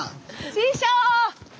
師匠！